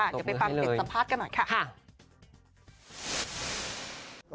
เดี๋ยวไปปั๊มติดสภาพกันหน่อยค่ะ